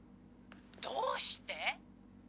どうして？